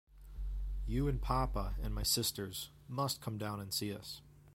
You and papa, and my sisters, must come down and see us.